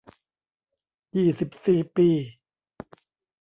ยี่สิบสี่ ปี